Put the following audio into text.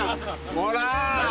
ほら！